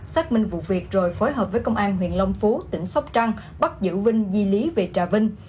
xác minh vụ việc rồi phối hợp với công an huyện long phú tỉnh sóc trăng bắt giữ vinh di lý về trà vinh